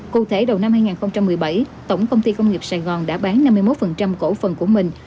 cụ thể đầu năm hai nghìn một mươi bảy tổng công ty công nghiệp sài gòn đã bán năm mươi một cổ phần của mình